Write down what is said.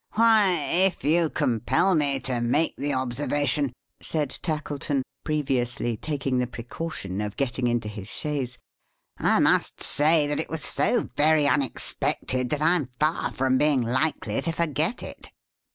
"Why, if you compel me to make the observation," said Tackleton; previously taking the precaution of getting into his chaise; "I must say that it was so very unexpected, that I'm far from being likely to forget it."